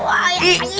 aku yang awalnya